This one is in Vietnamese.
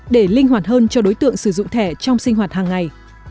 để linh hoạt hơn cho đối tượng sử dụng thẻ trong sinh hoạt hàng ngày